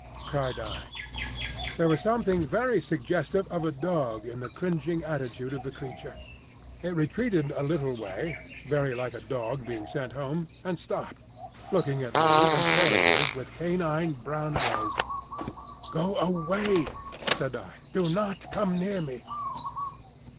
cried I. There was something very suggestive of a dog in the cringing attitude of the creature. It retreated a little way, very like a dog being sent home, and stopped, looking at me imploringly with canine brown eyes. "Go away," said I. "Do not come near me."